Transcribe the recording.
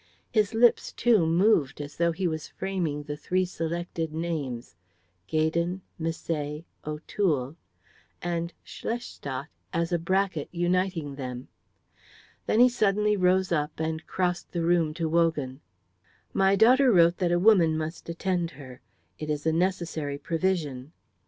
His lips, too, moved as though he was framing the three selected names, Gaydon, Misset, O'Toole, and "Schlestadt" as a bracket uniting them. Then he suddenly rose up and crossed the room to Wogan. "My daughter wrote that a woman must attend her. It is a necessary provision."